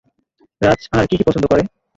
রাজ আর কি কি পছন্দ করে?